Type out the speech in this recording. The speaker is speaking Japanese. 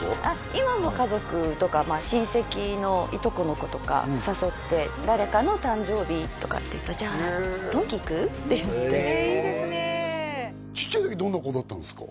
今も家族とか親戚のいとこの子とか誘って誰かの誕生日とかっていうと「じゃあとんき行く？」ってへえへえいいですねちっちゃい時どんな子だったんですか？